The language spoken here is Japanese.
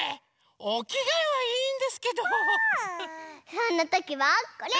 そんなときはこれ！